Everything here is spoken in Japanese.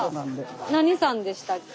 何さんでしたっけ？